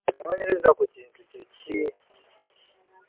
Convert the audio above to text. Okunoonyereza ku kintu kye ki?